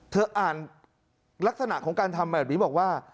อ่านลักษณะของการทำแบบนี้บอกว่า